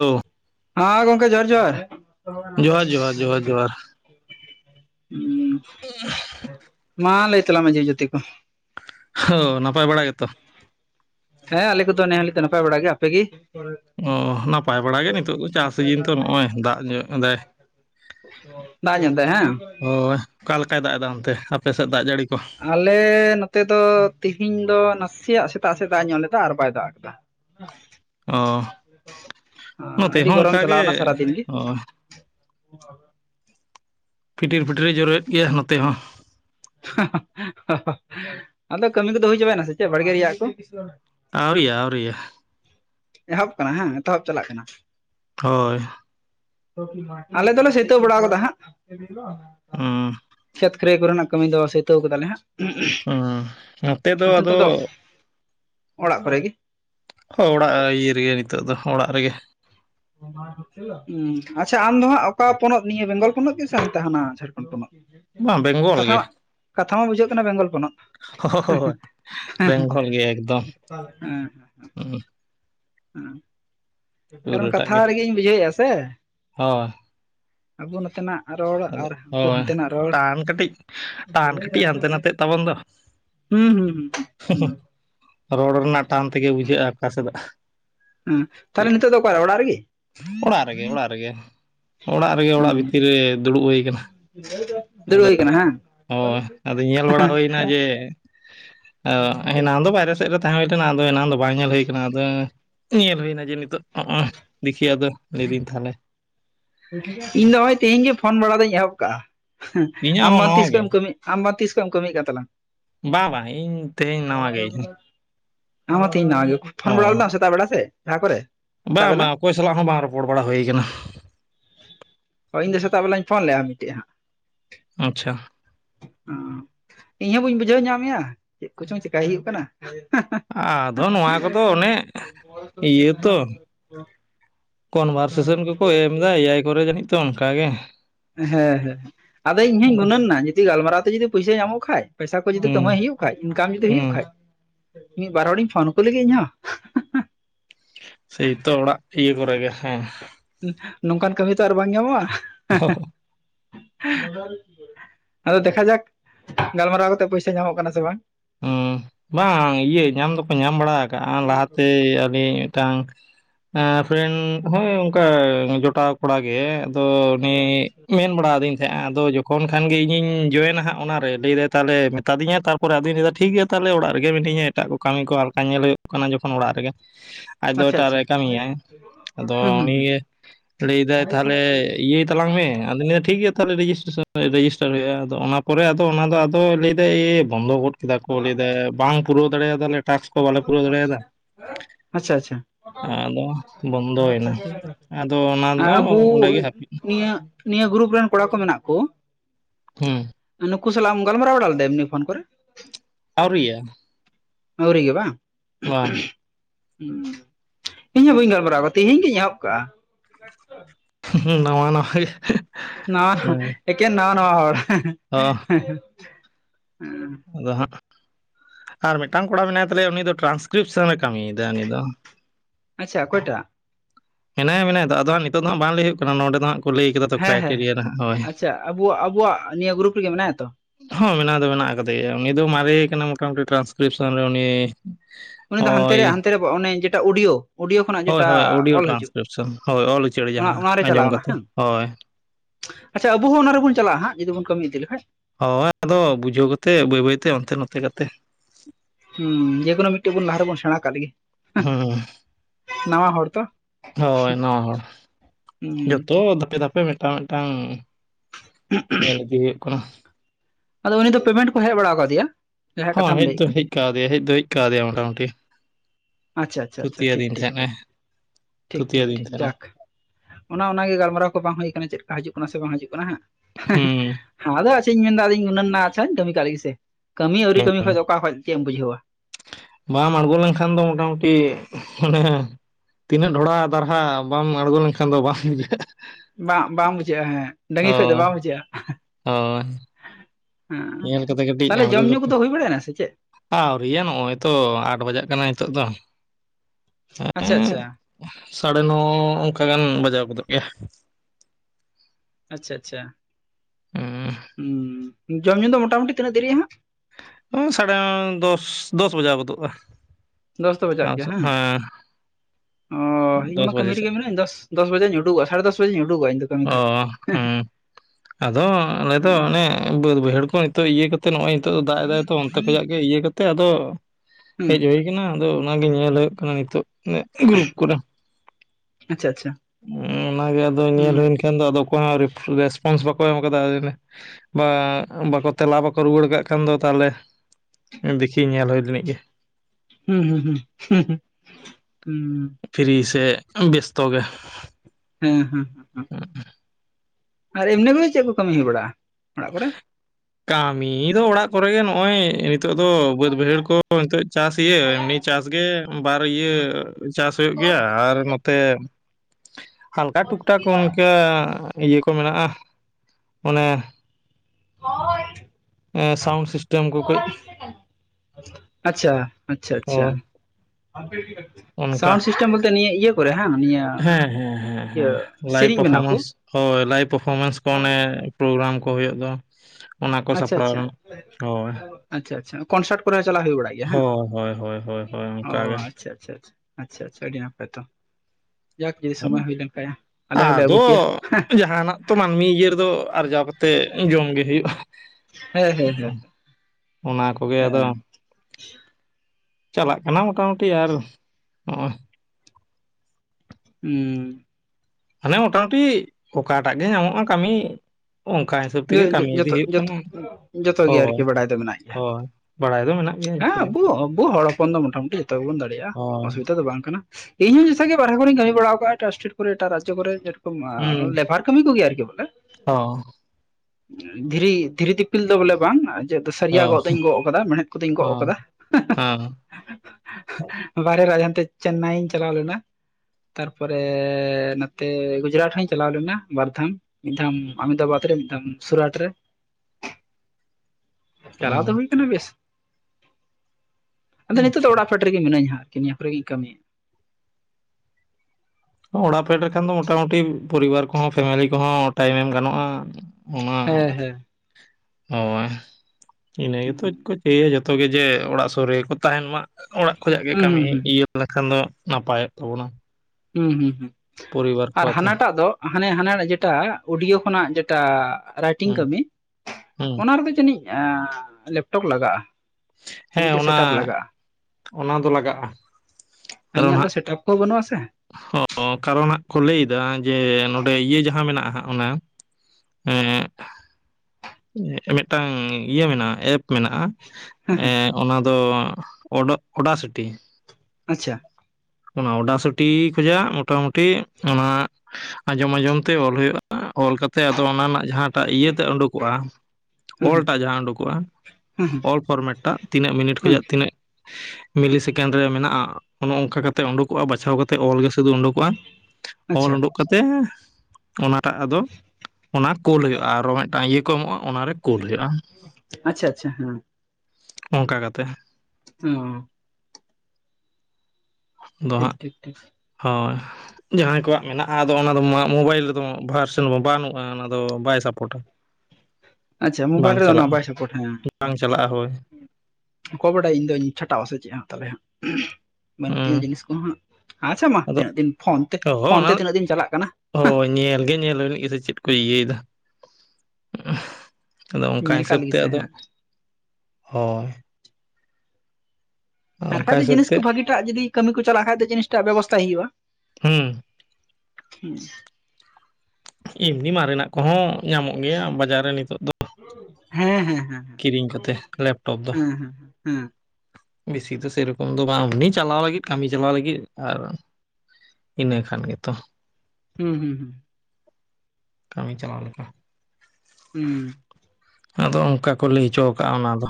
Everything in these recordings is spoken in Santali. ᱛᱳ ᱦᱮᱸ ᱜᱚᱢᱠᱮ ᱡᱚᱦᱟᱨ ᱡᱚᱦᱟᱨ ᱡᱚᱦᱟᱨ ᱡᱚᱦᱟᱨ ᱡᱚᱦᱟᱨ ᱡᱚᱦᱟᱨ ᱦᱩᱸ [unintelligible] ᱢᱟ ᱞᱟᱹᱭ ᱛᱟᱞᱟᱝ ᱢᱮ ᱢᱮᱡᱷᱤ ᱡᱟᱹᱛᱤ ᱠᱚ ᱚ ᱱᱟᱯᱟᱭ ᱵᱟᱲᱟ ᱜᱮᱛᱚ? ᱦᱮᱸ ᱟᱞᱮ ᱠᱚ ᱫᱚ ᱱᱮ ᱦᱟᱹᱞᱤ ᱫᱚ ᱱᱟᱯᱟᱭ ᱵᱟᱲᱟᱟᱜ ᱜᱮ᱾ ᱟᱯᱮᱜ ᱜᱮ? ᱚ ᱱᱟᱯᱟᱭ ᱵᱟᱲᱟ ᱜᱮ ᱱᱤᱛᱚᱜ ᱫᱚ ᱪᱟᱥ ᱥᱤᱡᱤᱱ ᱛᱚ ᱱᱚᱜᱼᱚᱭ ᱫᱟᱜ ᱧᱚᱜ ᱮᱫᱟᱭ ᱫᱟᱜ ᱧᱚᱜ ᱦᱟᱸ? ᱦᱳᱭ ᱚᱠᱟ ᱞᱮᱠᱟᱭ ᱫᱟᱜ ᱮᱫᱟ ᱚᱱᱛᱮ ᱟᱯᱮᱥᱮᱫ ᱫᱟᱜ ᱡᱟᱹᱲᱤ ᱠᱚ ᱟᱞᱮᱻ ᱱᱚᱛᱮ ᱫᱚ ᱛᱤᱦᱮᱧ ᱫᱚ ᱱᱟᱥᱮᱭᱟᱜ ᱥᱮᱛᱟᱜ ᱥᱮᱜ ᱫᱟᱜ ᱧᱚᱜ ᱞᱮᱫᱟ ᱟᱨ ᱵᱟᱭ ᱫᱟᱜ ᱠᱮᱫᱟ ᱚ ᱱᱚᱛᱮ ᱺ ᱟᱹᱰᱤ ᱦᱚᱸ ᱜᱚᱨᱚᱢ ᱚᱱᱠᱟ ᱪᱟᱞᱟᱣᱱᱟ ᱜᱮ ᱥᱟᱨᱟ ᱫᱤᱱ ᱜᱮ ᱾ ᱚ ᱯᱷᱤᱴᱤᱨ-ᱯᱷᱤᱴᱤᱨ ᱮ ᱡᱚᱨᱚᱭᱮᱫ ᱜᱮᱭᱟ ᱱᱚᱛᱮ ᱦᱚᱸ ᱾ ᱟᱫᱚ ᱠᱟᱹᱢᱤ ᱠᱚᱫᱚ ᱦᱩᱭ ᱪᱟᱵᱟᱭᱱᱟ ᱥᱮ ᱪᱮᱫ ᱵᱟᱲᱜᱮ ᱨᱮᱭᱟᱜ ᱠᱚ? ᱟᱣᱨᱤᱭᱟ ᱟᱣᱨᱤᱭᱟ ᱾ ᱮᱦᱚᱵ ᱠᱟᱱᱟ ᱦᱮᱸ ᱮᱛᱚᱦᱚᱵ ᱪᱟᱞᱟᱜ ᱠᱟᱱᱟ ᱾ ᱦᱚᱭ ᱟᱞᱮ ᱫᱚᱞᱮ ᱥᱛᱟᱹᱣ ᱵᱟᱲᱟ ᱠᱟᱫᱟ ᱦᱟᱸᱜ ᱦᱩᱸ [unintelligible] ᱠᱷᱟᱹᱨᱟᱹᱭ ᱠᱚᱨᱮᱱᱟᱜ ᱠᱟᱹᱢᱤ ᱫᱚ ᱥᱟᱹᱛᱟᱹᱣ ᱠᱟᱫᱟᱞᱮ ᱦᱟᱸᱜ ᱦᱩᱸ ᱱᱚᱛᱮ [unintelligible] ᱟᱫᱚ ᱱᱤᱛᱚᱜ ᱫᱚ᱾ ᱚᱲᱟᱜ ᱠᱚᱨᱮ ᱜᱮ ᱦᱚᱭ ᱚᱲᱟᱜ ᱤᱭᱟᱹ ᱨᱮᱜᱮ ᱱᱤᱛᱚᱜ ᱫᱚ ᱚᱲᱟᱜ ᱨᱮᱜᱮ ᱾ [unintelligible] ᱟᱪᱪᱷᱟ ᱟᱢ ᱫᱚ ᱦᱟᱸᱜ ᱚᱠᱟ ᱯᱚᱱᱚᱛ ᱱᱤᱭᱟᱹ ᱵᱮᱝᱜᱚᱞ ᱯᱚᱱᱚᱛ ᱜᱮ ᱥᱮᱢ ᱚᱱᱛᱮ ᱦᱟᱱᱟ ᱡᱷᱟᱲᱠᱷᱚᱱᱰ ᱯᱚᱱᱚᱛ? ᱵᱟᱝ ᱵᱮᱝᱜᱚᱞ ᱠᱟᱛᱷᱟ ᱢᱟ ᱠᱟᱛᱷᱟ ᱢᱟ ᱵᱩᱡᱷᱟᱹᱜ ᱠᱟᱱᱟ ᱵᱮᱝᱜᱚᱞ ᱯᱚᱱᱚᱛ ᱦᱚᱦᱚᱭ ᱵᱮᱝᱜᱚᱞ ᱜᱮ ᱮᱠᱫᱚᱢ ᱾ ᱦᱩᱸ ᱠᱟᱨᱚᱱ ᱯᱩᱨᱟᱹᱴᱟᱜ ᱠᱟᱛᱷᱟ ᱜᱮ ᱨᱮᱜᱮᱧ ᱵᱩᱡᱷᱟᱹᱣ ᱮᱫᱼᱟ ᱥᱮ ᱦᱳᱭ ᱟᱵᱚ ᱱᱚᱛᱮᱱᱟᱜ ᱨᱚᱲ ᱟᱫᱚ ᱟᱨ ᱩᱱᱠᱩ ᱦᱳᱭ ᱦᱟᱱᱛᱮᱱᱟᱜ ᱨᱚᱲ ᱴᱟᱱ ᱠᱟᱹᱴᱤᱡ ᱴᱟᱱ ᱠᱟᱹᱴᱤᱡ ᱦᱟᱱᱛᱮ ᱱᱟᱛᱮᱜ ᱛᱟᱵᱚᱱ ᱫᱚ ᱦᱩᱸ ᱦᱩᱸ ᱦᱩᱸ ᱦᱩᱸ ᱨᱚᱲ ᱨᱮᱱᱟᱜ ᱴᱟᱱ ᱛᱮᱜᱮ ᱵᱩᱡᱷᱟᱹᱜᱼᱟ ᱚᱠᱟᱥᱮᱫᱟᱜ ᱦᱮᱸ ᱛᱟᱦᱞᱮ ᱱᱤᱛᱚᱜ ᱫᱚ ᱚᱠᱟ ᱨᱮ ᱚᱲᱟᱜ ᱨᱮᱜᱮ? ᱚᱲᱟᱜ ᱨᱮᱜᱮ ᱚᱲᱟᱜ ᱨᱮᱜᱮ ᱚᱲᱟᱜ ᱦᱩᱸ ᱵᱷᱤᱛᱤᱨ ᱨᱮ ᱫᱩᱲᱩᱵ ᱦᱩᱭ ᱠᱟᱱᱟ [unintelligible] ᱫᱩᱲᱩᱵ ᱟᱫᱚ ᱦᱩᱭ ᱠᱟᱱᱟ ᱦᱟᱝ ᱦᱚᱭ ᱟᱫᱚ ᱧᱮᱞ ᱵᱟᱲᱟ ᱦᱩᱭᱱᱟ ᱡᱮ ᱚ ᱮᱱᱟᱝ ᱫᱚ ᱵᱟᱭᱨᱮ ᱥᱮᱫ ᱨᱮ ᱛᱟᱦᱮᱸ ᱦᱩᱭ ᱞᱮᱱᱟ ᱟᱫᱚ ᱮᱱᱟᱝ ᱫᱚ ᱵᱟᱝ ᱧᱮᱞ ᱦᱩᱭ ᱠᱟᱱᱟ ᱟᱫᱚ ᱧᱮᱞ ᱦᱩᱭ ᱮᱱᱟ ᱡᱮ ᱱᱤᱛᱚᱜ ᱫᱮᱠᱷᱮ ᱟᱫᱚ ᱞᱟᱹᱭᱫᱟᱹᱧ ᱛᱟᱦᱚᱞᱮ ᱤᱧ ᱫᱚ ᱱᱚᱜᱼᱚᱭ ᱛᱮᱦᱮᱧ ᱜᱮ ᱯᱷᱳᱱ ᱵᱟᱲᱟ ᱫᱚᱧ ᱮᱦᱚᱵ ᱠᱟᱜᱼᱟ ᱾ ᱤᱧᱟᱹᱜ ᱟᱢ ᱦᱚᱸ ᱢᱟ ᱱᱟᱣᱟ ᱛᱤᱥ ᱜᱮ ᱠᱷᱚᱱᱮᱢ ᱠᱟᱹᱢᱤᱜ ᱟᱢ ᱵᱟ ᱛᱤᱥ ᱠᱷᱚᱱ ᱮᱢ ᱠᱟᱹᱢᱤ ᱠᱟᱱ ᱛᱟᱞᱟᱝ? ᱵᱟᱝ ᱵᱟᱝ ᱤᱧ ᱛᱮᱦᱮᱧ ᱱᱟᱣᱟ ᱜᱮ ᱾ ᱟᱢ ᱦᱚᱸ ᱛᱮᱦᱮᱧ ᱱᱟᱣᱟ ᱜᱮ ᱾ ᱯᱷᱚᱱ ᱵᱟᱲᱟ ᱦᱚᱸ ᱞᱮᱫᱟᱢ ᱥᱮᱛᱟ ᱵᱮᱲᱟ ᱥᱮᱫ ᱡᱟᱦᱟ ᱠᱚᱨᱮ? ᱥᱮᱛᱟᱜ ᱵᱟᱝ ᱵᱮᱞᱟ ᱵᱟᱝ ᱚᱠᱚᱭ ᱥᱟᱞᱟᱜ ᱦᱚᱸ ᱵᱟᱝ ᱨᱚᱯᱚᱲ ᱵᱟᱲᱟ ᱦᱩᱭ ᱠᱟᱱᱟ ᱾ ᱦᱚᱭ ᱤᱧ ᱫᱚ ᱥᱮᱛᱟᱜ ᱵᱮᱞᱟᱧ ᱯᱷᱳᱱ ᱞᱮᱫᱼᱟ ᱢᱤᱫᱴ ᱦᱟᱸᱜ ᱾ ᱟᱪᱪᱷᱟ ᱦᱩᱸ ᱤᱧ ᱦᱚᱸ ᱵᱟᱹᱧ ᱵᱩᱡᱷᱟᱹᱣ ᱧᱟᱢ ᱮᱭᱟ ᱪᱮᱫ ᱠᱚᱪᱚᱝ ᱪᱮᱠᱟᱹᱭ ᱦᱩᱭᱩᱜ ᱠᱟᱱᱟ᱾ ᱟᱫᱚ ᱱᱚᱣᱟ ᱠᱚᱫᱚ ᱚᱱᱮ ᱤᱭᱟᱹ ᱛᱚ ᱠᱚᱱᱵᱷᱟᱨᱥᱮᱥᱮᱱ ᱠᱚᱠᱚ ᱮᱢᱫᱟ ᱮᱭᱟᱭ ᱠᱚᱨᱮ ᱡᱟᱹᱱᱤᱡ ᱛᱚ ᱚᱱᱠᱟᱜᱮ ᱾ ᱦᱮᱸ ᱦᱮᱸ ᱟᱫᱚ ᱤᱧ ᱦᱚᱧ ᱜᱩᱱᱟᱹᱱ ᱱᱟ ᱡᱩᱫᱤ ᱜᱟᱞᱢᱟᱨᱟᱣ ᱛᱮ ᱡᱩᱚᱫᱤ ᱯᱚᱭᱥᱟ ᱧᱟᱢᱚᱜ ᱠᱷᱟᱱ ᱯᱚᱭᱥᱟ ᱠᱚ ᱡᱩᱫᱤ ᱦᱩᱸ ᱠᱟᱢᱟᱭ ᱦᱩᱭᱩᱜ ᱠᱷᱟᱡ ᱤᱱᱠᱟᱹᱢ ᱡᱩᱫᱤ ᱦᱩᱸ ᱦᱩᱭᱩᱜ ᱠᱷᱟᱡ ᱢᱤᱫ ᱵᱟᱨ ᱦᱚᱲᱤᱧ ᱯᱷᱳᱱ ᱟᱠᱚ ᱞᱮᱜ ᱤᱧᱦᱚᱸ ᱾ ᱥᱮᱭ ᱛᱚ ᱚᱲᱟᱜ ᱤᱭᱟᱹ ᱠᱚᱨᱮ ᱜᱮ ᱦᱮᱸ ᱱᱚᱝᱠᱟᱱ ᱠᱟᱹᱢᱤ ᱛᱚ ᱟᱨ ᱵᱟᱝ ᱧᱟᱢᱚᱜᱼᱟ ᱾ ᱟᱫᱚ ᱫᱮᱠᱷᱟ ᱡᱟᱠ ᱜᱟᱞᱢᱟᱨᱟᱣ ᱠᱟᱛᱮᱜ ᱯᱚᱭᱥᱟ ᱧᱟᱢᱚᱜ ᱠᱟᱱᱟ ᱥᱮ ᱵᱟᱝ? ᱦᱮᱸ ᱵᱟᱝ ᱤᱭᱟᱹ ᱧᱟᱢ ᱫᱚᱠᱚ ᱧᱟᱢ ᱵᱟᱲᱟ ᱟᱠᱟᱜᱼᱟ ᱞᱟᱦᱟᱛᱮ ᱟᱹᱞᱤᱧ ᱢᱤᱫᱴᱟᱝ ᱯᱷᱨᱮᱱᱰ ᱦᱚᱸᱳᱭ ᱚᱱᱠᱟ ᱡᱚᱴᱟᱣ ᱠᱚᱲᱟ ᱜᱮ ᱟᱫᱚ ᱩᱱᱤ ᱢᱮᱱ ᱵᱟᱲᱟ ᱟᱹᱫᱤᱧ ᱛᱟᱦᱮᱸᱜᱼᱟ ᱟᱫᱚ ᱡ ᱮᱠᱷᱚᱱ ᱠᱷᱟᱱ ᱜᱮ ᱤᱧᱤᱧ ᱡᱚᱭᱮᱱᱟ ᱦᱟᱜ ᱚᱱᱟᱨᱮ ᱞᱟᱹᱭᱮᱫᱟᱭ ᱛᱟᱦᱚᱞᱮ ᱢᱮᱛᱟ ᱫᱤᱧᱟ ᱛᱟᱨᱯᱚᱨ ᱟᱫᱧ ᱞᱮᱭ ᱮᱫᱟ ᱴᱷᱤᱠ ᱜᱮᱭᱟ ᱛᱟᱦᱟᱞᱮ ᱚᱲᱟᱜ ᱨᱮᱜᱮ ᱢᱤᱱᱟᱹᱧᱟ ᱮᱴᱟᱜ ᱠᱚ ᱠᱟᱹᱢᱤ ᱠᱚ ᱟᱨ ᱵᱟᱝ ᱧᱮᱞ ᱦᱩᱭᱩᱜ ᱠᱟᱱᱟ ᱡᱚᱠᱷᱚᱱ ᱚᱲᱟᱜ ᱨᱮᱜᱮ ᱟᱡ ᱫᱚ ᱟᱪᱪᱷᱟ ᱮᱴᱟᱜ ᱟᱪᱪᱷᱟ ᱨᱮ ᱠᱟᱹᱢᱟᱭ ᱟᱫᱚ ᱦᱩᱸ ᱦᱩᱸ ᱩᱱᱤ ᱦᱩᱸ ᱜᱮ ᱞᱮᱭᱫᱟᱭ ᱛᱟᱦᱚᱞᱮ ᱤᱭᱟᱹᱭ ᱛᱞᱟᱝ ᱢᱮ ᱟᱫᱧ ᱞᱮᱭ ᱫᱟ ᱴᱷᱤᱠ ᱜᱮᱭᱟ ᱛᱟᱦᱟᱞᱮ ᱨᱮᱡᱤᱥᱴᱮᱥᱱ ᱨᱮᱡᱤᱥᱴᱟᱨ ᱦᱩᱭᱩᱜᱼᱟ ᱟᱫᱚ ᱚᱱᱟ ᱯᱚᱨᱮ ᱟᱫᱚ ᱚᱱᱟᱫᱚ ᱟᱫᱚ ᱞᱟᱹᱭ ᱮᱟᱭ ᱵᱚᱱᱫᱚ ᱜᱚᱫ ᱞᱟᱹᱭᱫᱟᱠᱲ ᱞᱟᱹᱭᱫᱟ ᱵᱟᱝ ᱯᱩᱨᱟᱹᱣ ᱫᱟᱲᱮᱭᱟᱫᱟ ᱞᱮ ᱴᱟᱠᱚ ᱠᱚ ᱵᱟᱞᱮ ᱯᱩᱨᱟᱹᱣ ᱫᱟᱲᱮᱭᱟᱫᱟ ᱾ ᱟᱪᱪᱷᱟ ᱟᱪᱪᱷᱟ ᱟᱫᱚ ᱵᱚᱱᱫᱚᱭᱮᱱᱟ ᱾ ᱟᱫᱚ ᱚᱱᱟᱫᱚ ᱟᱵᱚ ᱚᱸᱰᱮ ᱜᱮ ᱦᱟᱹᱯᱤᱫ ᱮᱱᱟ ᱾ ᱱᱤᱭᱟᱹ ᱱᱤᱭᱟᱹ ᱜᱨᱩᱯ ᱨᱮᱱ ᱠᱚᱲᱟ ᱠᱚ ᱢᱮᱱᱟᱜ ᱠᱚ ᱦᱩᱸ ᱱᱩᱠᱩ ᱥᱟᱞᱟᱜ-ᱟᱢ ᱜᱟᱞᱢᱟᱨᱟᱣ ᱵᱟᱲᱟ ᱞᱮᱫᱟ ᱮᱢᱱᱤ ᱯᱷᱳᱱ ᱠᱚᱨᱮ ᱟᱹᱣᱨᱤᱭᱟ ᱟᱹᱣᱨᱤ ᱜᱮ ᱵᱟᱝ ᱵᱟᱝ ᱤᱧ ᱦᱚᱸ ᱵᱟᱹᱧ ᱜᱟᱞᱢᱟᱨᱟᱣ ᱟᱠᱟᱫ ᱛᱮᱦᱤᱧ ᱜᱤᱧ ᱮᱦᱚᱵ ᱠᱟᱜᱼᱟ ᱴᱨᱟᱠᱴᱳᱨ ᱱᱟᱣᱟ ᱱᱟᱣᱟ ᱜᱮ ᱱᱟ ᱚᱱᱟᱜᱮ ᱮᱠᱷᱮᱱ ᱱᱟᱣᱟ ᱱᱟᱣᱟ ᱦᱚᱲ ᱚ ᱟᱫᱚ ᱦᱟᱸᱜ ᱟᱨ ᱢᱤᱫᱴᱟᱝ ᱠᱚᱲᱟ ᱢᱮᱱᱟᱭ ᱛᱟᱞᱮᱭᱟ ᱩᱱᱤ ᱫᱚ ᱴᱨᱟᱱᱥᱠᱨᱤᱯᱥᱮᱱᱮ ᱠᱟᱹᱢᱤᱭᱮᱫᱟ ᱩᱱᱤ ᱫᱚ ᱟᱪᱪᱷᱟ ᱚᱠᱚᱭᱴᱟᱜ ᱢᱮᱱᱟᱭᱟ ᱢᱮᱱᱟᱭ ᱫᱚ ᱟᱫᱚ ᱦᱟᱸᱜ ᱱᱤᱛᱳ ᱫᱚ ᱵᱟᱝ ᱞᱟᱹᱭ ᱦᱚᱭᱳᱜ ᱠᱟᱱᱟ ᱱᱚᱰᱮ ᱫᱚ ᱦᱟᱜᱸ ᱠᱚ ᱞᱟᱹᱭ ᱠᱟᱫᱟ ᱛᱚ ᱦᱮᱸ ᱦᱮᱸ ᱠᱨᱟᱭᱴᱮᱨᱤᱭᱟ ᱦᱮᱸ ᱦᱟᱸᱜ ᱦᱳᱭ ᱟᱪᱪᱷᱟ ᱟᱵᱚ ᱟᱵᱚᱣᱟᱜ ᱱᱤᱭᱟᱹ ᱜᱨᱩᱯ ᱨᱮᱜᱮ ᱢᱮᱱᱟᱭᱟ ᱛᱚ ᱦᱚᱸ ᱢᱮᱱᱟᱣ ᱫᱚ ᱢᱮᱱᱟᱜ ᱟᱠᱟᱫᱮ ᱜᱮᱭᱟ ᱩᱱᱤ ᱫᱚ ᱢᱟᱨᱮ ᱟᱠᱟᱱ ᱢᱚᱴᱟᱢᱩᱴᱤ ᱴᱨᱟᱱᱥᱠᱨᱤᱯᱥᱚᱱ ᱨᱮ ᱩᱱᱤ ᱩᱱᱤ ᱫᱚ ᱦᱟᱱᱛᱮ ᱨᱮ ᱳᱭ ᱦᱟᱱᱛᱮ ᱨᱮ ᱚᱱᱮ ᱡᱮᱴᱟ ᱚᱰᱤᱭᱳ ᱚᱰᱤᱭᱳ ᱠᱷᱚᱱᱟᱜ ᱦᱳᱭ ᱡᱮᱴᱟ ᱦᱳᱭ ᱚᱰᱤᱭᱳ ᱚᱞ ᱦᱤᱡᱩᱜ ᱴᱨᱟᱱᱥᱠᱨᱤᱯᱥᱚᱱ ᱦᱳᱭ ᱚᱞ ᱩᱪᱟᱹᱲ ᱡᱟᱦᱟᱸ ᱚᱱᱟᱨᱮ ᱟᱸᱡᱚᱢ ᱪᱟᱞᱟᱣᱱᱟ ᱠᱟᱛᱮ ᱦᱟᱸ ᱦᱳᱭ ᱟᱪᱪᱷᱟ ᱟᱵᱚ ᱦᱚᱸ ᱚᱱᱟ ᱨᱮᱵᱚᱱ ᱪᱟᱞᱟᱜᱼᱟ ᱦᱟᱸᱜ ᱡᱩᱫᱤ ᱵᱚᱱ ᱠᱟᱹᱢᱤ ᱤᱫᱤ ᱞᱮᱠᱟᱱ ᱦᱳ‌ ᱟᱫᱚ ᱵᱩᱡᱷᱟᱹᱣ ᱠᱟᱛᱮᱫ ᱵᱟᱹᱭ ᱵᱟᱹᱭ ᱛᱮ ᱚᱱᱛᱮ ᱱᱚᱛᱮ ᱠᱟᱛᱮ ᱦᱩ ᱸ ᱡᱮᱠᱳᱱᱳ ᱢᱤᱫᱴᱮᱜ ᱵᱚᱱ ᱞᱟᱦᱟ ᱨᱮᱵᱚᱱ ᱥᱮᱬᱟ ᱠᱟᱜ ᱜᱮ ᱦᱮᱸ ᱱᱟᱣᱟ ᱦᱚᱲ ᱛᱚ ᱦᱳᱭ ᱱᱟᱣᱟ ᱦᱚᱲ ᱦᱩᱸ ᱡᱷᱚᱛᱚ ᱫᱷᱟᱯᱮ ᱫᱷᱟᱯᱮ ᱢᱤᱫᱴᱟᱝ ᱢᱤᱫᱴᱟᱝ ᱧᱮᱞ ᱤᱫᱤ ᱦᱩᱭᱩᱜ ᱠᱟᱱᱟ ᱟᱫᱚ ᱩᱱᱤ ᱫᱚ ᱯᱮᱢᱮᱱᱴ ᱠᱚ ᱦᱮᱡ ᱵᱟᱲᱟ ᱟᱠᱟᱫᱮᱭᱟ ᱦᱸ ᱦᱮᱡ ᱫᱚ ᱦᱮᱡ ᱠᱟᱣᱫᱮᱭᱟ ᱦᱮᱡ ᱫᱚ ᱦᱮᱡ ᱠᱟᱣᱫᱮᱭᱟ ᱢᱚᱴᱟᱢᱩᱴᱤ ᱟᱪᱪᱷᱟ ᱟᱪᱪᱷᱟ ᱟᱪᱪᱷᱟ ᱴᱷᱤᱠ ᱛᱷᱩᱛᱤᱭᱟᱫᱤᱧ ᱴᱷᱤᱠ ᱴᱷᱤᱠ ᱛᱟᱦᱮᱸᱱᱟᱭ ᱴᱷᱤᱠ ᱴᱷᱤᱠ ᱛᱷᱩᱛᱤᱭᱟᱫᱤᱧ ᱴᱷᱤᱠ ᱛᱟᱦᱮᱸᱱᱟᱭ ᱡᱟᱠ ᱚᱱᱟ ᱚᱱᱟᱜᱮ ᱜᱟᱞᱢᱟᱨᱟᱣ ᱠᱚ ᱵᱟᱝ ᱦᱳᱭ ᱠᱟᱱ ᱪᱮᱫ ᱠᱟ ᱦᱤᱡᱩᱜ ᱠᱟᱱᱟ ᱥᱮ ᱵᱟᱝ ᱦᱤᱡᱩᱜ ᱠᱟᱱᱟ ᱦᱟᱸᱜ ᱦᱩᱸ ᱦᱮ ᱟᱫᱚ ᱟᱪᱪᱷᱟᱧ ᱢᱮᱱ ᱮᱫᱟ ᱤᱧ ᱜᱩᱱᱟᱹᱱᱟ ᱟᱪᱪᱷᱟᱧ ᱠᱟᱹᱢᱤ ᱠᱟᱜ ᱞᱮᱜᱮ ᱠᱟᱹᱢᱤ ᱟᱹᱣᱨᱤ ᱠᱟᱹᱢᱤ ᱦᱩᱸ ᱠᱷᱚᱱ ᱫᱚ ᱚᱠᱟ ᱠᱷᱚᱡ ᱪᱮᱫ ᱮᱢ ᱵᱩᱡᱷᱟᱹᱣᱟ ᱵᱟᱢ ᱟᱬᱜᱳ ᱞᱮᱱᱠᱷᱟᱱ ᱫᱚ ᱢᱚᱴᱟᱢᱩᱴᱤ ᱢᱟᱱᱮ ᱛᱤᱱᱟᱹᱜ ᱰᱷᱚᱲᱟ ᱫᱟᱨᱦᱟ ᱵᱟᱢ ᱟᱲᱜᱳ ᱞᱮᱱᱠᱷᱟᱱ ᱫᱚ ᱵᱟᱝ ᱵᱩᱡᱷᱟᱹᱜᱼᱟ ᱵᱟᱝ ᱵᱟᱝ ᱵᱩᱡᱷᱟᱹᱜ-ᱟ ᱦᱮᱸ ᱰᱟᱦᱤ ᱠᱷᱚᱡ ᱫᱚ ᱦᱳᱭ ᱵᱟᱝ ᱵᱩᱡᱷᱟᱹᱜ-ᱟ ᱦᱳᱭ ᱧᱮᱞ ᱠᱟᱛᱮ ᱠᱟᱹᱴᱤᱡ ᱟᱬᱜᱩ ᱡᱚᱢ ᱧᱩ ᱠᱟᱛᱮ ᱠᱚᱫᱚ ᱦᱩᱭ ᱵᱟᱲᱟᱭᱱᱟ ᱥᱮ ᱪᱮᱫ ᱟᱣᱨᱤᱭᱟ ᱱᱚᱜᱼᱚᱭ ᱛᱚ ᱟᱴ ᱵᱟᱡᱟᱜ ᱠᱟᱱᱟ ᱱᱤᱛᱚᱜ ᱫᱚ ᱟᱪᱪᱷᱟ ᱟᱪᱪᱷᱟ ᱦᱮᱸ ᱥᱟᱲᱮ ᱱᱚ ᱚᱱᱠᱟ ᱜᱟᱱ ᱵᱟᱡᱟᱣ ᱜᱚᱫᱚᱜ ᱜᱮᱭᱟ ᱟᱪᱪᱷᱟ ᱟᱪᱪᱷᱟ ᱦ [unintelligible] ᱩ ᱡᱚᱢ ᱧᱩ ᱫᱚ ᱢᱚᱴᱟᱢᱩᱴᱤ ᱛᱤᱱᱟᱹᱜ ᱫᱮᱨᱤᱜ-ᱟ ᱦᱟᱸᱜ ᱥᱟᱲᱮ ᱫᱚᱥ ᱫᱚᱥ ᱵᱟᱡᱟᱣ ᱜᱚᱫᱚᱜ-ᱟ ᱫᱚᱥ ᱫᱚ ᱵᱟᱡᱟᱜ ᱜᱮᱭᱟ ᱦᱟᱝ ᱚᱻ ᱫᱚᱥ ᱤᱧᱢᱟ ᱠᱟᱹᱢᱤ ᱵᱟᱡᱮ ᱥᱮᱫ ᱨᱮᱜᱮ ᱢᱮᱱᱟᱹᱧ ᱫᱚᱥ ᱫᱚᱥ ᱵᱟᱡᱮᱧ ᱩᱰᱩᱠᱚᱜ-ᱟ ᱥᱟᱲᱮ ᱫᱚᱥ ᱵᱟᱡᱮᱧ ᱩᱰᱩᱠᱚᱜ-ᱟ ᱤᱧᱫᱚ ᱚ ᱦᱩᱸ ᱟᱫᱚ ᱟᱞᱮ ᱫᱚ ᱦᱮᱸ ᱚᱱᱮ ᱵᱟᱹᱫᱽ ᱵᱟᱹᱭᱦᱟᱹᱲ ᱠᱚ ᱛᱚ ᱤᱭᱟᱹ ᱠᱟᱛᱮ ᱱᱚᱜᱼᱚᱭ ᱱᱤᱛᱚᱜ ᱫᱚ ᱫᱟᱜ ᱮᱫᱟᱭ ᱛᱚ ᱚᱱᱛᱮ ᱠᱷᱚᱡᱟᱜ ᱜᱮ ᱤᱭᱟᱹ ᱠᱟᱛᱮ ᱟᱫᱚ ᱦᱩᱸ ᱦᱮᱡ ᱦᱩᱭ ᱦᱩᱭ ᱠᱟᱱᱟ ᱟᱫᱚ ᱚᱱᱟᱜᱮ ᱧᱮᱞ ᱦᱳᱭᱳᱜ ᱠᱟᱱᱟ ᱱᱤᱛᱚᱜ ᱜᱨᱩᱯ ᱠᱚᱨᱮ ᱟᱪᱪᱷᱟ ᱟᱪᱪᱷᱟ ᱚᱱᱟᱜᱮ ᱟᱫᱚ ᱧᱮᱞ ᱦᱩᱸ ᱦᱩᱭᱮᱱ ᱟᱫᱚ ᱚᱠᱚᱭ ᱦᱚᱸ ᱨᱮᱥᱯᱚᱱᱥ ᱵᱟᱠᱚ ᱮᱢ ᱠᱟᱫᱟ ᱵᱟ ᱵᱟᱠᱚ ᱛᱮᱞᱟ ᱵᱟᱠᱚ ᱨᱩᱣᱟᱹᱲ ᱠᱟᱜ ᱠᱷᱟᱱ ᱫᱚ ᱛᱟᱦᱞᱮ ᱫᱮᱠᱷᱤ ᱧᱮᱞ ᱦᱩᱭ ᱞᱤᱱᱤᱡ ᱜᱮ ᱦᱩᱸ ᱦᱩᱸ ᱦᱩᱸ ᱦᱩᱸ ᱯᱷᱤᱨᱤ ᱥᱮ ᱵᱮᱥᱛᱚ ᱜᱮ ᱦᱩᱸ ᱦᱩᱸ [unintelligible] ᱟᱨ ᱮᱢᱱᱤ ᱠᱩᱫᱚ ᱪᱮᱫ ᱠᱩ ᱠᱟᱢᱤ ᱦᱩᱭ ᱵᱟᱲᱟᱜᱼᱟ ᱚᱲᱟᱜ ᱠᱚᱨᱮ? ᱠᱟᱢᱤ ᱫᱚ ᱚᱲᱟᱜ ᱠᱚᱨᱮ ᱜᱮ ᱱᱚᱜᱼᱚᱭ ᱱᱤᱛᱚᱜ ᱫᱚ ᱵᱟᱹᱫᱽ ᱵᱟᱹᱭᱦᱟᱹᱲ ᱠᱚ ᱱᱤᱛᱚᱜ ᱪᱟᱥ ᱤᱭᱟᱹ ᱮᱢᱱᱤ ᱪᱟᱥ ᱜᱮ ᱵᱟᱨ ᱤᱭᱟᱹ ᱪᱟᱥ ᱦᱩᱭᱩᱜ ᱜᱮᱭᱟ ᱟᱨ ᱱᱚᱛᱮ ᱦᱟᱞᱠᱟ ᱴᱩᱠ ᱴᱟᱠ ᱜᱚᱝᱠᱮ ᱤᱭᱟᱹ ᱠᱚ ᱢᱮᱱᱟᱜᱼᱟ ᱚᱱᱮ [inaudible] ᱮ ᱥᱟᱣᱩᱱᱰ ᱥᱤᱥᱴᱮᱢ ᱠᱚ ᱠᱟᱹᱡ ᱟᱪᱪᱷᱟ ᱟᱪᱪᱷᱟ ᱟᱪᱪᱷᱟ ᱦᱳᱭ ᱾ ᱥᱟᱣᱩᱱᱰ ᱥᱤᱥᱴᱮᱢ ᱵᱚᱞᱛᱮ ᱱᱤᱭᱟᱹ ᱤᱭᱟᱹ ᱠᱚᱨᱮ ᱦᱟᱝ ᱱᱤᱭᱟᱹ᱾ ᱦᱮᱸ ᱦᱮᱸ ᱤᱭᱟᱹ ᱦᱮᱸ ᱞᱟᱭᱤᱵᱷ ᱥᱮᱨᱮᱧ ᱵᱮᱱᱟᱣ ᱠᱚ ᱯᱚᱯᱷᱚᱢᱮᱱᱥ ᱦᱳᱭ ᱞᱟᱭᱤᱵᱷ ᱯᱟᱨᱯᱷᱚᱨᱢᱮᱱᱥ ᱠᱚ ᱚᱱᱮ ᱯᱨᱳᱜᱨᱟᱢ ᱠᱚ ᱦᱳᱭᱳᱜ ᱫᱚ ᱚᱱᱟ ᱠᱚ ᱟᱪᱪᱷᱟ ᱥᱟᱯᱲᱟᱣ ᱟᱪᱪᱷᱟ ᱨᱮᱱᱟᱜ ᱦᱳᱭ᱾ ᱟᱪᱪᱷᱟ ᱟᱪᱪᱷᱟ ᱠᱚᱱᱥᱟᱨᱴ ᱠᱚᱨᱮ ᱦᱚᱸ ᱪᱟᱞᱟᱜ ᱦᱳᱭ ᱵᱟᱲᱟᱜ ᱜᱮᱭᱟ ᱦᱟᱝ ᱦᱳᱭ ᱦᱳᱭ ᱦᱳᱭ ᱦᱳᱭ ᱦᱳᱭ ᱚᱱᱠᱟ ᱜᱮ ᱟᱪᱪᱷᱟ ᱟᱪᱪᱷᱟ ᱟᱪᱪᱷᱟ᱾ ᱟᱪᱪᱷᱟ ᱟᱪᱪᱷᱟ ᱟᱰᱤ ᱱᱟᱯᱟᱭ ᱛᱚ, ᱡᱟᱠ ᱡᱩᱫᱤ ᱥᱚᱢᱚᱭ ᱦᱩᱭ ᱞᱮᱱ ᱠᱷᱟᱡ ᱟᱞᱮ ᱦᱚᱸᱞᱮ ᱟᱜᱩ ᱯᱮᱭᱟ ᱟᱫᱚ ᱦᱮᱸ᱾ ᱡᱟᱦᱟᱱᱟᱜ ᱛᱚ ᱢᱟᱱᱢᱤ ᱤᱭᱟᱹ ᱨᱮᱫᱚ ᱟᱨᱡᱟᱣ ᱠᱟᱛᱮᱜ ᱡᱚᱢ ᱜᱮ ᱦᱳᱭᱳᱜᱼᱟ ᱦᱮᱸ ᱦᱮᱸ ᱚᱱᱟ ᱠᱚᱜᱮ ᱟᱫᱚ ᱦᱮᱸ ᱪᱟᱞᱟᱜ ᱠᱟᱱᱟ ᱢᱚᱴᱟᱢᱩᱴᱤ ᱟᱨ ᱦᱚᱸᱜᱼᱚᱭ᱾ ᱩᱸ ᱢᱟᱱᱮ ᱢᱚᱴᱟᱢᱩᱴᱤ ᱚᱠᱟᱴᱟᱜ ᱜᱮ ᱧᱟᱢᱚᱜᱼᱟ ᱠᱟᱢᱤ ᱡᱚᱛᱚ ᱡᱚᱛᱚ ᱡᱚᱛᱚᱜᱤ ᱦᱳᱭ ᱟᱨᱠᱤ ᱵᱟᱲᱟᱭ ᱫᱚ ᱢᱮᱱᱟᱜ ᱜᱮᱭᱟ᱾ ᱦᱳᱭ ᱵᱟᱲᱟᱭ ᱫᱚ ᱢᱮᱱᱟᱜ ᱜᱮᱭᱟ ᱦᱮᱸ ᱡᱚᱛᱚ ᱜᱮ ᱟᱵᱩ ᱟᱵᱩ ᱦᱚᱲ ᱦᱚᱯᱚᱱ ᱫᱚ ᱢᱚᱴᱟᱢᱩᱴᱤ ᱡᱚᱛᱚ ᱜᱮᱵᱩᱱ ᱫᱟᱲᱮᱭᱟᱜ-ᱟ᱾ ᱦᱳᱭ ᱚᱥᱩᱵᱤᱛᱟ ᱫᱚ ᱵᱟᱝ ᱠᱟᱱᱟ᱾ ᱤᱧ ᱮᱥᱮᱜᱤ ᱵᱟᱨᱦᱮ ᱠᱚᱨᱮᱧ ᱠᱟᱢᱤ ᱵᱟᱲᱟᱣ ᱟᱠᱟᱜᱼᱟ ᱴᱟᱥᱴᱮᱴ ᱠᱚᱨᱮ ᱮᱴᱟᱜ ᱨᱟᱡᱽᱡᱚ ᱠᱚᱨᱮ ᱡᱮᱨᱚᱠᱚᱢ ᱞᱮᱵᱷᱟᱨ ᱠᱟᱢᱤ ᱠᱚᱜᱤ ᱟᱨᱠᱤ ᱵᱚᱞᱮ᱾ ᱚ ᱫᱷᱤᱨᱤ ᱫᱷᱤᱨᱤ ᱫᱤᱯᱤᱞ ᱫᱚ ᱵᱚᱞᱮ ᱵᱟᱝ᱾ ᱡᱮᱦᱩᱛᱩ ᱥᱟᱨᱤᱭᱟ ᱦᱚᱸ ᱜᱚᱜ ᱫᱩᱧ ᱜᱚᱜ ᱠᱟᱫᱟ ᱢᱮᱬᱦᱮᱫ ᱠᱚᱫᱩᱧ ᱜᱚᱜ ᱦᱚᱸ ᱠᱟᱫᱟ᱾ ᱦᱮᱸ [unintelligible] ᱵᱟᱨᱦᱮ ᱨᱟᱡ ᱦᱟᱱᱛᱮ ᱪᱮᱱᱱᱟᱭᱤᱧ ᱪᱟᱞᱟᱣ ᱞᱮᱱᱟ᱾ ᱛᱟᱨᱯᱚᱨᱮ ᱱᱟᱛᱮ ᱜᱩᱡᱨᱟᱴ ᱦᱚᱧ ᱪᱟᱞᱟᱣ ᱞᱮᱱᱟ ᱵᱟᱨᱫᱷᱚᱢ᱾ ᱢᱤᱫᱷᱚᱢ ᱟᱢᱮᱫᱟᱵᱟᱛ᱾ ᱫᱷᱟᱢ ᱥᱩᱨᱟᱴ ᱨᱮ ᱪᱟᱞᱟᱣ ᱫᱚ ᱦᱩᱭ ᱠᱟᱱᱟ ᱵᱮᱹᱥ ᱟᱫᱚ ᱦᱩᱸ ᱱᱤᱛᱚᱜ ᱫᱚ ᱟᱪᱪᱷᱟ ᱚᱲᱟᱜ ᱯᱷᱮᱰ ᱨᱮᱜᱮ ᱢᱤᱱᱟᱹᱧᱟ᱾ ᱦᱟᱸᱜ ᱟᱨᱠᱤ ᱱᱤᱭᱟᱹ ᱠᱚᱨᱮᱜᱤᱧ ᱠᱟᱢᱤᱭᱟ᱾ ᱚᱲᱟᱜ ᱯᱷᱮᱰ ᱨᱮᱠᱷᱟᱱ ᱫᱚ ᱢᱚᱴᱟᱢᱩᱴᱤ ᱯᱚᱨᱤᱵᱟᱨ ᱠᱚᱦᱚᱸ ᱯᱷᱮᱢᱮᱞᱤ ᱠᱚᱦᱚᱸ ᱴᱟᱭᱤᱢ ᱮᱢ ᱜᱟᱱᱚᱜᱼᱟ᱾ ᱚᱱᱟ ᱦᱮᱸ ᱦᱮᱸ ᱦᱳᱭ ᱤᱱᱟᱹ ᱜᱮᱛᱚ᱾ ᱠᱚ ᱤᱹᱭᱟ ᱡᱚᱛᱚᱜ ᱜᱮ ᱡᱮ ᱚᱲᱟᱜ ᱥᱳᱨ ᱨᱮᱜᱮᱠᱚ ᱛᱟᱦᱮᱱ ᱢᱟ ᱚᱲᱟᱜ ᱠᱷᱚᱱᱟᱜ ᱜᱮ ᱦᱩᱸ ᱠᱟᱹᱢᱤ ᱦᱩᱸ ᱤᱭᱟᱹ ᱞᱮᱠᱷᱟᱱ ᱫᱚ ᱱᱟᱯᱟᱭᱚᱜ ᱛᱟᱵᱚᱱᱟ᱾ ᱦᱩᱸ ᱦᱩᱸ ᱯᱚᱨᱤᱵᱟᱨ ᱟᱨ ᱠᱚ ᱟᱛᱮ ᱦᱟᱱᱟᱴᱟᱜ ᱫᱚ ᱦᱟᱱᱮ ᱦᱟᱱᱟᱨᱮ ᱡᱮᱴᱟ ᱳᱰᱤᱭᱳ ᱠᱷᱚᱱᱟᱜ ᱡᱮᱴᱟ ᱨᱟᱭᱴᱤᱝ ᱦᱩᱸ ᱠᱟᱹᱢᱤ ᱦᱩᱸ ᱚᱱᱟ ᱨᱮᱫᱚ ᱡᱟᱹᱱᱤᱡ ᱟᱸ ᱞᱮᱯᱴᱚᱯ ᱞᱟᱜᱟᱜᱼᱟ᱾ ᱥᱮ ᱦᱮᱸ ᱢᱤᱴᱮᱜ ᱚᱱᱟ ᱥᱮᱴᱟᱯ ᱞᱟᱜᱟᱜᱼᱟ᱾ ᱚᱱᱟ ᱫᱚ ᱞᱟᱜᱟᱜᱼᱟ ᱟᱨ ᱤᱧᱟᱹᱜ ᱫᱚ ᱥᱮᱴᱟᱯ ᱦᱚᱸ ᱵᱟᱹᱱᱩᱜ-ᱟ ᱥᱮ ᱦᱚᱸᱜᱼᱚ ᱠᱟᱨᱚᱱ ᱦᱟᱸᱜ ᱠᱚ ᱞᱟᱹᱭ ᱮᱫᱟ ᱡᱮ ᱱᱚᱸᱰᱮ ᱤᱭᱟᱹ ᱡᱟᱦᱟᱸ ᱢᱮᱱᱟᱜᱼᱟᱜ ᱚᱱᱟ ᱮᱸᱜ ᱢᱤ ᱢᱤᱫᱴᱟᱝ ᱤᱭᱟᱹ ᱢᱮᱱᱟᱜᱼᱟ ᱮᱯ ᱢᱮᱱᱟᱜᱼᱟ ᱮᱸᱜ ᱚᱱᱟ ᱫᱚ ᱚᱰᱚ-ᱚᱰᱟᱥᱤᱴᱤ᱾ ᱟᱪᱪᱷᱟ ᱚᱱᱟ ᱚᱰᱟᱥᱩᱴᱤ ᱠᱷᱚᱡᱟᱜ ᱢᱚᱴᱟᱢᱩᱴᱤ ᱚᱱᱟ ᱟᱸᱡᱚᱢ ᱟᱸᱡᱚᱢ ᱛᱮ ᱚᱞ ᱦᱩᱭᱩᱜᱼᱟ ᱚᱞ ᱠᱟᱛ ᱛᱮ ᱟᱫᱚ ᱚᱱᱟ ᱱᱟᱜ ᱡᱟᱦᱟᱸᱴᱟᱜ ᱤᱭᱟᱹᱛᱮ ᱚᱰᱩᱠᱚᱜᱼᱟ ᱦᱮᱸ ᱚᱞᱴᱟᱜ ᱡᱟᱦᱟᱸ ᱚᱰᱩᱠᱚᱜᱼᱟ᱾ ᱦᱮᱸ ᱚᱞ ᱯᱷᱚᱨᱢᱮᱴᱟ ᱛᱤᱱᱟᱹᱜ ᱢᱤᱱᱤᱴ ᱦᱮᱸ ᱠᱷᱚᱡᱟᱜ ᱛᱤᱱᱟᱹᱜ ᱢᱤᱞᱤ ᱥᱮᱠᱮᱱᱰ ᱨᱮ ᱢᱮᱱᱟᱜᱼᱟ ᱚᱱᱚ ᱚᱱᱠᱟ ᱠᱟᱛᱮ ᱩᱰᱩᱠᱚᱜᱼᱟ ᱵᱟᱪᱷᱟᱣ ᱠᱟᱛᱮ ᱚᱞ ᱜᱮ ᱥᱩᱫᱩ ᱩᱰᱩᱠᱚᱜᱼᱟ᱾ ᱚᱞ ᱟᱪᱪᱷᱟ ᱩᱰᱩᱠ ᱠᱟᱛᱮ ᱚᱱᱟᱴᱟᱜ ᱟᱫᱚ᱾ ᱚᱱᱟ ᱠᱩ ᱚᱞ ᱦᱩᱭᱩᱜᱼᱟ ᱟᱨᱚ ᱢᱤᱴᱟᱱ ᱤᱭᱟᱹ ᱠᱚ ᱮᱢᱚᱜᱼᱟ ᱚᱱᱟᱨᱮ ᱠᱩᱞ ᱦᱩᱭᱩᱜᱼᱟ᱾ ᱟᱪᱪᱷᱟ ᱟᱪᱪᱷᱟ ᱦᱮᱸ ᱚᱱᱠᱟ ᱠᱟᱛᱮ ᱦᱚᱸ [inaudible] ᱫᱚ ᱴᱷᱤᱠ ᱦᱟᱸᱜ ᱴᱷᱤᱠ ᱴᱷᱤᱠ ᱦᱳᱭ ᱡᱟᱦᱟᱸᱭ ᱠᱚᱣᱟᱜ ᱢᱮᱱᱟᱜᱼᱟ ᱟᱫᱚ ᱚᱱᱟ ᱫᱚ ᱢᱳᱵᱟᱭᱤᱞ ᱨᱮᱫᱚ ᱵᱷᱟᱨᱥᱮᱱ ᱵᱟᱹᱱᱩᱜᱼᱟ ᱚᱱᱟ ᱫᱚ ᱵᱟᱭ ᱥᱟᱯᱳᱴᱟ ᱟᱪᱪᱷᱟ ᱵᱟᱝ ᱢᱳᱵᱟᱭᱤᱞ ᱨᱮᱫᱚ ᱚᱱᱟ ᱪᱟᱞᱟᱜᱼᱟ ᱵᱟᱭ ᱥᱟᱯᱳᱴᱟ ᱵᱟᱝ ᱪᱟᱞᱟᱜᱼᱟ ᱦᱳᱭ ᱚᱠᱚᱭ ᱵᱟᱰᱟᱭ ᱤᱧᱫᱚ ᱤᱧ ᱪᱷᱟᱴᱟᱣᱟ ᱥᱮ ᱪᱮᱫ ᱛᱟᱦᱚᱞᱮ ᱦᱟᱸᱜ ᱵᱟᱹᱱᱩᱜ ᱛᱤᱧᱟᱹ ᱦᱩᱸ ᱡᱤᱱᱤᱥ ᱠᱚ ᱦᱟᱸᱜ ᱟᱪᱪᱷᱟ ᱢᱟ ᱟᱫᱚ ᱛᱤᱱᱟᱹᱜ ᱫᱤᱱ ᱯᱷᱳᱱ ᱛᱮ ᱯᱷᱳᱱ ᱛᱮ ᱛᱤᱱᱟᱹᱜ ᱫᱤᱱ ᱪᱟᱞᱟᱜ ᱠᱟᱱᱟ᱾ ᱦᱳ ᱧᱮᱞ ᱜᱮ ᱧᱮᱞ ᱜᱮᱥᱮ ᱪᱮᱫ ᱠᱚ ᱤᱭᱟᱹᱭ ᱮᱫᱟ ᱟᱫᱚ ᱚᱱᱠᱟ ᱧᱮᱞ ᱠᱟᱜ ᱦᱤᱥᱟᱹᱵ ᱞᱮᱜᱮ ᱛᱮ ᱥᱮ ᱟᱫᱚ ᱦᱮᱸ ᱦᱳᱭ ᱟᱨᱠᱷᱟᱡ ᱚᱱᱠᱟ ᱫᱚ ᱦᱤᱥᱟᱹᱵ ᱡᱤᱱᱤᱥ ᱛᱮ ᱠᱚ ᱵᱷᱟᱹᱜᱤᱴᱟᱜ ᱡᱩᱫᱤ ᱠᱟᱹᱢᱤ ᱠᱚ ᱪᱟᱞᱟᱜ ᱠᱷᱟᱡ ᱫᱚ ᱡᱤᱱᱤᱥᱴᱟᱜ ᱵᱮᱵᱚᱥᱛᱷᱟᱭ ᱦᱩᱭᱩᱜᱼᱟ᱾ ᱦᱩᱸ ᱦᱷᱸ [inaudible] ᱮᱢᱱᱤ ᱢᱟᱨᱮᱱᱟᱜ ᱠᱚᱦᱚᱸ ᱧᱟᱢᱚᱜ ᱜᱮᱭᱟ ᱵᱟᱡᱟᱨ ᱨᱮ ᱱᱤᱛᱚᱜ ᱫᱚ ᱦᱮᱸ ᱦᱮᱸ ᱦᱮᱸ ᱠᱤᱨᱤᱧ ᱠᱚᱛᱮ ᱞᱮᱯᱴᱚᱯ ᱫᱚ ᱦᱮᱸ ᱦᱮᱸ ᱵᱮᱥᱤ ᱫᱚ ᱥᱮᱨᱚᱠᱚᱢ ᱫᱚ ᱵᱟᱝ ᱮᱢᱱᱤ ᱪᱟᱞᱟᱣ ᱞᱟᱹᱜᱤᱫ ᱠᱟᱹᱢᱤ ᱪᱟᱞᱟᱣ ᱞᱟᱹᱜᱤᱫ ᱟᱨ ᱤᱱᱟᱹ ᱠᱷᱟᱱ ᱜᱮᱛᱚ᱾ ᱦᱩᱸ ᱦᱩᱸ ᱦᱩᱸ ᱠᱟᱹᱢᱤ ᱪᱟᱞᱟᱣ ᱞᱮᱠᱟ ᱦᱩᱸ ᱟᱫᱚ ᱚᱱᱠᱟ ᱠᱚ ᱞᱟᱹᱭ ᱦᱚᱪᱚ ᱠᱟ ᱚᱱᱟᱫᱚ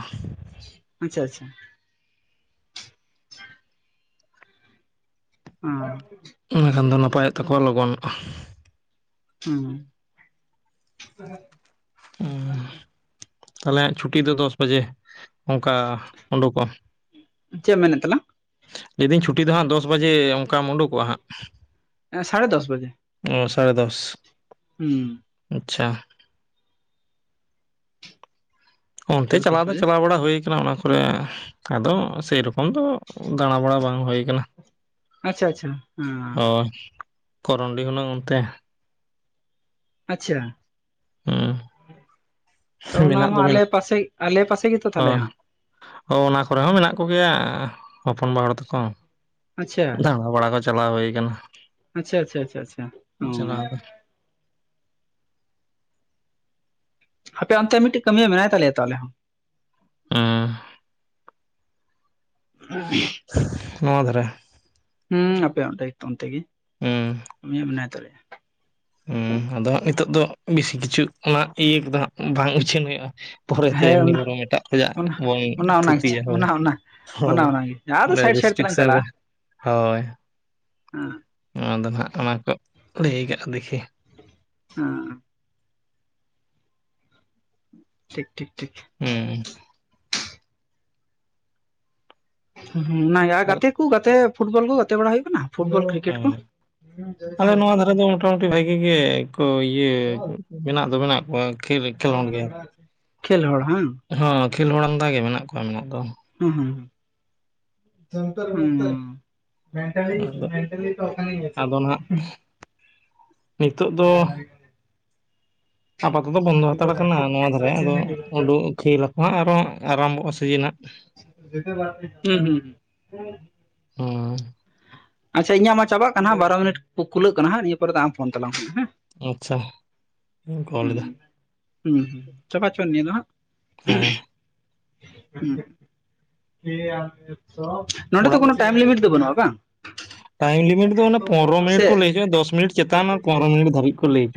ᱟᱪᱪᱷᱟ ᱟᱪᱪᱷᱟ ᱦᱩᱸ ᱚᱱᱟ ᱠᱷᱟᱱ ᱫᱚ ᱱᱟᱯᱟᱭᱚᱜ ᱛᱟᱠᱚᱣᱟ ᱞᱚᱜᱚᱱᱚᱜᱼᱟ ᱦᱩᱸ ᱛᱟᱦᱚᱞᱮ ᱪᱷᱩᱴᱤ ᱫᱚ ᱫᱚᱥ ᱵᱟᱡᱮ ᱚᱱᱠᱟ ᱩᱰᱩᱠᱚᱜ ᱪᱮ ᱢᱮᱱᱮ ᱛᱟᱞᱟᱝ ᱞᱟᱹᱭᱫᱟᱹᱧ ᱪᱷᱩᱴᱤ ᱫᱚ ᱦᱟᱸᱜ ᱫᱚᱥ ᱵᱟᱡᱮ ᱚᱱᱠᱟᱢ ᱩᱰᱩᱠᱚᱜᱼᱟ ᱦᱟᱸᱜ ᱮᱸ ᱥᱟᱲᱮ ᱫᱚᱥ ᱵᱟᱡᱮ ᱚ ᱥᱟᱲᱮ ᱫᱚᱥ ᱦᱩᱸ ᱾ ᱟᱪᱪᱷᱟ ᱾ ᱚᱱᱛᱮ ᱥᱟᱲᱮ ᱫᱚᱥ ᱪᱟᱞᱟᱣ ᱫᱚ ᱵᱟᱡᱮ ᱪᱟᱞᱟᱣ ᱵᱟᱲᱟ ᱦᱩᱭᱩ ᱟᱠᱟᱱᱟ, ᱚᱱᱟ ᱠᱚᱨᱮ ᱟᱫᱚ ᱥᱮᱨᱚᱠᱚᱢ ᱾ ᱛᱚᱠᱷᱚᱱ ᱫᱚ ᱫᱟᱬᱟᱵᱟᱲᱟ ᱵᱟᱝ ᱦᱩᱭᱩ ᱟᱠᱟᱱᱟ ᱾ ᱟᱪᱪᱷᱟ ᱟᱪᱪᱷᱟ ᱾ ᱦᱩᱸ ᱾ ᱠᱚᱨᱚᱱᱰᱤ ᱦᱩᱱᱟᱹᱝ ᱚᱱᱛᱮ ᱾ ᱟᱪᱪᱷᱟ ᱾ ᱦᱩᱸ ᱛᱚ ᱚᱱᱟ ᱢᱮᱱᱟᱜ ᱢᱟ ᱫᱚ ᱟᱞᱮ ᱢᱮᱱᱟᱜ ᱯᱟᱥᱮ ᱟᱞᱮ ᱯᱟᱥᱮ ᱜᱮᱛᱚ ᱛᱟᱦᱚᱞᱮ ᱦᱟᱸᱜ ᱾ ᱚ, ᱚᱱᱟ ᱠᱚᱨᱮ ᱦᱚᱸ ᱢᱮᱱᱟᱜ ᱠᱚ ᱜᱮᱭᱟ ᱦᱚᱯᱚᱱᱵᱟ ᱦᱚᱲ ᱛᱟᱠᱚ ᱾ ᱟᱪᱪᱷᱟ ᱾ ᱵᱟᱲᱟ ᱠᱚ ᱪᱟᱞᱟᱣ ᱦᱩᱭ ᱟᱠᱟᱱᱟ ᱾ ᱟᱪᱪᱷᱟ ᱟᱪᱪᱷᱟ ᱟᱪᱪᱷᱟ ᱟᱪᱪᱷᱟ ᱾ ᱫᱚ ᱟᱯᱮ ᱚᱱᱛᱮ ᱢᱤᱫᱴᱤᱡ ᱠᱟᱹᱢᱤᱭᱟᱹ ᱢᱮᱭ ᱛᱟᱞᱮᱭᱟ ᱛᱟᱦᱮ ᱦᱚᱸ ᱦᱩᱸ ᱾ ᱟᱨ [unintelligible] ᱱᱚᱣᱟ ᱫᱷᱟᱨᱮ ᱾ ᱦᱮᱸ ᱟᱯᱮᱭᱟᱜ ᱚᱸᱰᱮ ᱚᱱ ᱛᱮᱜᱮ ᱢᱟᱭ ᱢᱮᱱᱟᱭ ᱛᱟᱞᱮᱭᱟ ᱾ ᱦᱮᱸ, ᱟᱫᱚ ᱱᱤᱛᱚᱜ ᱫᱚ ᱵᱮᱥᱤ ᱠᱤᱪᱷᱩ ᱚᱱᱟ ᱤᱭᱟᱹ ᱠᱚᱫᱚ ᱦᱟᱸᱜ ᱵᱟᱝ ᱩᱪᱷᱟᱹᱱ ᱦᱩᱭᱩᱜᱼᱟ ᱾ ᱯᱚᱨᱮᱛᱮ ᱦᱮᱸ ᱮᱢᱱᱤ ᱚᱱᱟ ᱵᱚᱨᱚᱢ ᱮᱴᱟᱜ ᱛᱮᱭᱟᱜ ᱵᱚᱱ ᱚᱱᱟ ᱚᱱᱟ ᱚᱱᱟ ᱜᱮᱪᱚ ᱛᱷᱩᱛᱤᱭᱟ ᱦᱳᱭ ᱚᱱᱟ ᱚᱱᱟ ᱦᱳ ᱚᱱᱟ ᱚᱱᱟᱜᱮ ᱾ ᱟᱫᱚ ᱚᱸᱰᱮ ᱥᱟᱭᱤᱰ ᱥᱟᱭᱤᱰ ᱨᱤᱥᱴᱤᱠ ᱛᱮᱞᱟᱝ ᱥᱮᱱ ᱨᱮ ᱦᱳᱭ ᱾ ᱦᱩᱸ ᱾ ᱱᱚᱣᱟ ᱫᱚ ᱱᱟᱦᱟᱜ ᱚᱱᱟᱠᱚ ᱞᱟᱹᱭ ᱠᱟᱫᱟ ᱫᱮᱠᱷᱤ ᱾ ᱦᱮᱸ ᱴᱷᱤᱠ ᱴᱷᱤᱠ ᱴᱷᱤᱠ ᱾ ᱦᱩᱸ ᱾ ᱦᱩᱸ, ᱚᱱᱟ ᱜᱮ ᱟᱨ ᱜᱟᱛᱮ ᱠᱚ ᱜᱟᱛᱮ ᱯᱷᱩᱴᱵᱚᱞ ᱠᱚ ᱜᱟᱛᱮ ᱵᱟᱲᱟ ᱦᱩᱭᱩᱜ ᱠᱟᱱᱟ ᱾ ᱦᱩᱸ ᱾ ᱟᱞᱮ ᱱᱚᱣᱟ ᱫᱷᱟᱨᱮ ᱫᱚ ᱢᱚᱴᱟᱢᱩᱴᱤ ᱵᱷᱟᱜᱤ ᱜᱮ ᱠᱚ ᱤᱭᱟᱹ ᱢᱮᱱᱟᱜ ᱫᱚ ᱢᱮᱱᱟᱜ ᱠᱚᱣᱟ ᱾ ᱠᱷᱮᱞ ᱦᱚᱲ ᱦᱟᱝ ᱦᱚᱸ, ᱠᱷᱮᱞ ᱦᱚᱲ ᱟᱢᱫᱟ ᱜᱮ ᱢᱮᱱᱟᱜ ᱠᱚᱣᱟ ᱢᱮᱱᱟᱜ ᱫᱚ ᱾ ᱦᱩᱸ ᱦᱩᱸ ᱾ [unintelligible] ᱢᱮᱱᱴᱟᱞᱤ ᱟᱫᱚ ᱢᱮᱱᱴᱟᱞᱤ ᱛᱚ ᱠᱟᱱ ᱜᱮᱭᱟ ᱪᱮ ᱾ ᱟᱫᱚ ᱱᱟᱦᱟᱜ ᱱᱤᱛᱚᱜ ᱫᱚ ᱟᱯᱟᱛᱚᱛᱚ ᱵᱚᱱᱫᱚ ᱦᱟᱛᱟᱲ ᱟᱠᱟᱱᱟ ᱱᱚᱣᱟ ᱫᱷᱟᱨᱮ ᱟᱫᱚ ᱩᱰᱩᱠ ᱠᱷᱮᱞᱟᱠᱚ ᱦᱟᱜ ᱟᱨᱚ ᱟᱨᱟᱢᱵᱷᱚᱜᱼᱟ ᱥᱤᱡᱤᱱ ᱦᱟᱜ ᱾ [unintelligible] ᱦᱩᱸ ᱦᱩᱸ ᱦᱩᱸ ᱦᱚᱸᱻ ᱟᱪᱪᱷᱟ ᱾ ᱤᱧᱟᱹᱜ ᱢᱟ ᱪᱟᱵᱟᱜ ᱠᱟᱱᱟ ᱵᱟᱨᱚ ᱢᱤᱱᱤ ᱠᱚ ᱠᱩᱞᱟᱹᱜ ᱠᱟᱱᱟ ᱦᱟᱜ ᱱᱤᱭᱟᱹ ᱯᱚᱨᱮ ᱟᱢ ᱯᱷᱳᱱ ᱛᱟᱞᱟᱝ ᱢᱮ ᱦᱟᱸᱜ ᱦᱮᱸ ᱾ ᱟᱪᱪᱷᱟ, ᱤᱧ ᱠᱚᱞ ᱮᱫᱟ ᱾ ᱦᱩᱸᱪᱟᱵᱟ ᱦᱚᱪᱚᱜ ᱱᱤᱭᱟᱹ ᱫᱚ ᱦᱟᱸᱜ ᱾ ᱦᱮᱸ ᱦᱩᱸ [unintelligible] ᱛᱚ ᱱᱚᱸᱰᱮ ᱫᱚ ᱚᱲᱟᱜ ᱠᱳᱱᱳ ᱴᱟᱭᱤᱢ ᱞᱤᱢᱤᱴ ᱫᱚ ᱵᱟᱹᱱᱩᱜᱼᱟ ᱵᱟᱝ? ᱴᱟᱭᱤᱢ ᱞᱤᱢᱤᱴ ᱫᱚ ᱚᱱᱟ ᱯᱚᱱᱮᱨᱚ ᱢᱤᱱᱤᱴ ᱥᱮ ᱠᱚ ᱞᱟᱹᱭ ᱦᱚᱪᱚᱭ ᱫᱟ ᱫᱚᱥ ᱢᱤᱱᱴ ᱪᱮᱛᱟᱱ ᱯᱚᱱᱨᱚ ᱢᱤᱱᱤᱴ ᱫᱷᱟᱹᱨᱤᱡ ᱠᱚ ᱞᱟᱹᱭᱟ ᱾